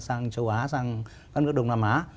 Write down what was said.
sang các nước đông nam á